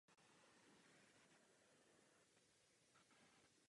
Radnice a jiné stavby z té doby svědčí o mimořádném bohatství města.